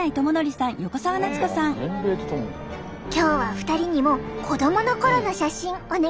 今日は２人にも子どものころの写真お願いしたよね。